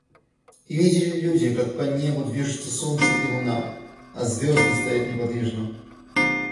И видели люди, как по небу движутся солнце и луна, а звёзды стоят неподвижно.